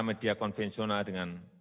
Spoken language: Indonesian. media konvensional dengan